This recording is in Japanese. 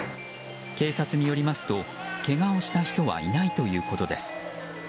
警察によりますとけがをした人はいないということです。